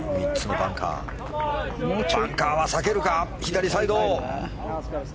バンカーは避けるか左サイド。